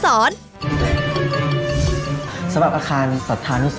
สำหรับอาคารสัตว์ธานุสร